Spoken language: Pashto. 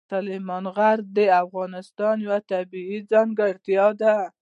سلیمان غر د افغانستان یوه طبیعي ځانګړتیا ده.